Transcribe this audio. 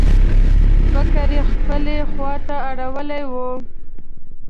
فکر یې خپلې خواته اړولی و.